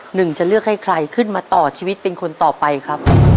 หนึ่งจะเลือกให้ใครขึ้นมาต่อชีวิตเป็นคนต่อไปครับ